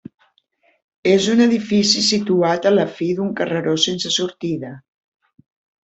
És un edifici situat a la fi d'un carreró sense sortida.